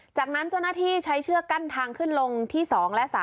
จากนั้นเจ้าหน้าที่ใช้เชือกกั้นทางขึ้นลงที่๒และ๓